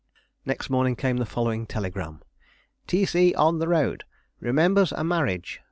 Next morning came the following telegram: "T. C. on the road. Remembers a marriage.